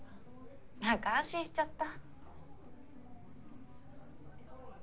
なんか安心しちゃった。